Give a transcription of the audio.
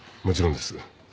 もちろんです。